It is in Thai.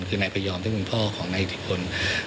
คือนายพยอมซึ่งเป็นพ่อของนายอิทธิพล